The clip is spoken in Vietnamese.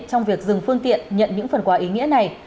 trong việc dừng phương tiện nhận những phần quà ý nghĩa này